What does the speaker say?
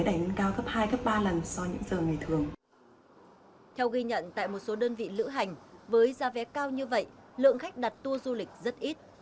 theo ghi nhận tại một số đơn vị lữ hành với giá vé cao như vậy lượng khách đặt tour du lịch rất ít